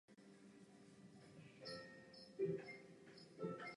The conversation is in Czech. Byl po něm pojmenován i jeden strom v zámecké zahradě.